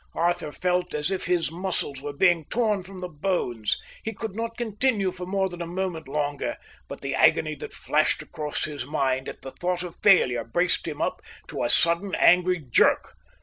Arthur felt as if his muscles were being torn from the bones, he could not continue for more than a moment longer; but the agony that flashed across his mind at the thought of failure braced him to a sudden angry jerk.